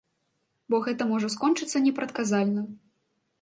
Бо гэта можна скончыцца непрадказальна.